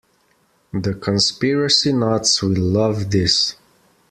The conspiracy nuts will love this.